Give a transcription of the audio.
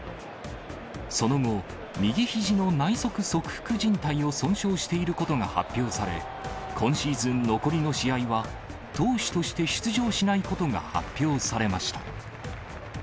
その後、右ひじの内側側副じん帯を損傷していることが発表され、今シーズン残りの試合は、投手として出場しないことが発表されました。